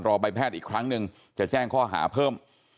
ใบแพทย์อีกครั้งหนึ่งจะแจ้งข้อหาเพิ่ม